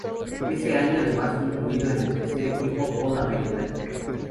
Ese año fue además incluido en el tercer equipo All-American.